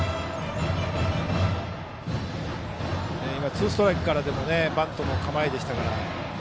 ツーストライクからバントの構えでしたね。